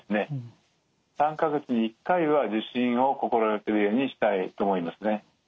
３か月に１回は受診を心がけるようにしたいと思いますね。